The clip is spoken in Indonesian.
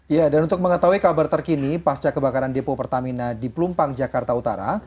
ya dan untuk mengetahui kabar terkini pasca kebakaran depo pertamina di pelumpang jakarta utara